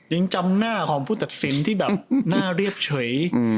ยังจำหน้าของผู้ตัดสินที่แบบหน้าเรียบเฉย